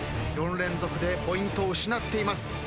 ４連続でポイントを失っています。